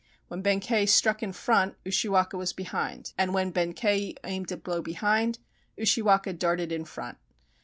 When Benkei struck in front, Ushiwaka was behind, and when Benkei aimed a blow behind, Ushi waka darted in front.